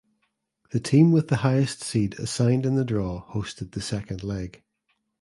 The team with the highest seed assigned in the draw hosted the second leg.